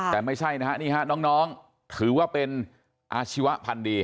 แต่ไม่ใช่นะฮะนี่ฮะน้องถือว่าเป็นอาชีวะพันธ์ดี